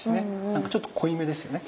何かちょっと濃いめですよね。